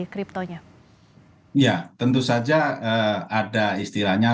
kriptonya ya tentu saja ada istilahnya